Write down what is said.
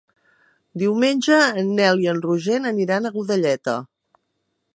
Diumenge en Nel i en Roger aniran a Godelleta.